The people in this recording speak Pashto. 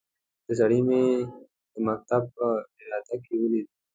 دا سړی مې د مکتب په اداره کې وليد.